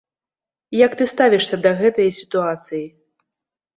Як ты ставішся да гэтае сітуацыі?